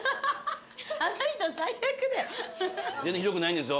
あの人最悪だよ。